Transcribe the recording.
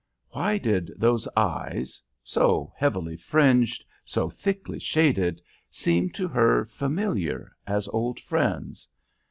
Why did those eyes so heavily fringed, so thickly shaded seem to her familiar as old friends?